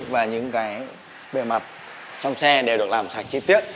và những cái bề mặt trong xe đều được làm sạch chi tiết